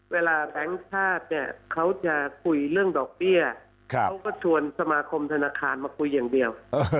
เวลาแทนคาสเค้าจะคุยเรื่องดอกเบี้ยเค้าก็ชวนสมาครมธนาคารมาคุยอย่างเดียว